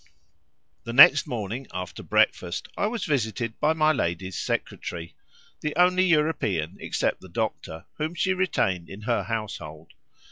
The next morning after breakfast I was visited by my lady's secretary—the only European, except the doctor, whom she retained in her household.